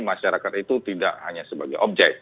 masyarakat itu tidak hanya sebagai objek